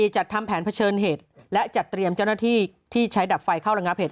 จัดทำแผนเผชิญเหตุและจัดเตรียมเจ้าหน้าที่ที่ใช้ดับไฟเข้าระงับเหตุ